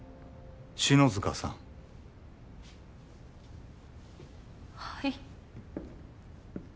篠塚さんはい？